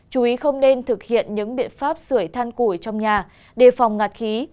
chú ý không nên thực hiện những biện pháp sửa thang củi trong nhà để đề phòng ngạc khí